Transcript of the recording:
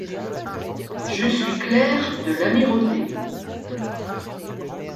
Je suis clerc de l’amirauté.